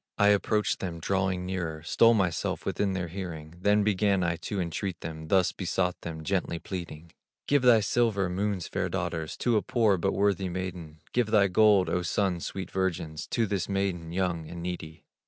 I approached them, drawing nearer, Stole myself within their hearing, Then began I to entreat them, Thus besought them, gently pleading: 'Give thy silver, Moon's fair daughters, To a poor, but worthy maiden; Give thy gold, O Sun's sweet virgins, To this maiden, young and needy.